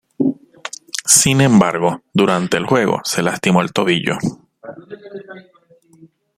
Sin embargo, durante el juego se lastimó el tobillo.